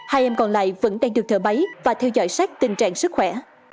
hai em còn lại vẫn đang được thở máy và theo dõi sát tình trạng sức khỏe